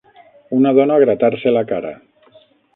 Una dona gratar-se la cara.